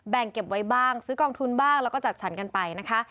เก็บไว้บ้างซื้อกองทุนบ้างแล้วก็จัดฉันกันไปนะคะ